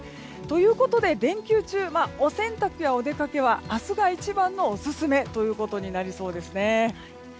ということで、連休中お洗濯やお出かけは明日が一番のオススメということになりそうですね。